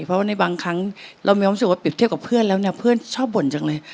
เพราะว่าในบางครั้งเรามีความรู้สึกว่าเปรียบเทียบกับเพื่อนแล้วเนี่ยเพื่อนชอบบ่นจังเลย